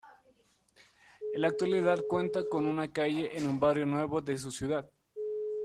En la actualidad cuenta con una calle en un barrio nuevo de su ciudad.